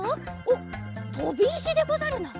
おっとびいしでござるな。